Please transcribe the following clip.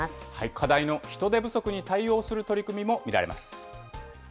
課題の人手不足に対応する取り組みも見られます。